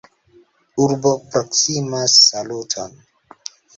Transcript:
Urbo proksimas Saluton!